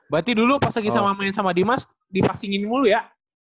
berarti dulu pas lagi sama main sama dimas dipassingin mulu ya